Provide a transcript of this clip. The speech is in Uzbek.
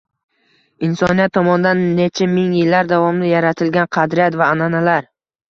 insoniyat tomonidan necha ming yillar davomida yaratilgan qadriyat va an’analar